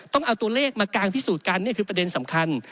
ต้องเอาตัวเลขมากางพิสูจน์กันนี่คือประเด็นสำคัญ